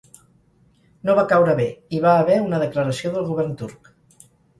No va caure bé, hi va haver una declaració del govern turc.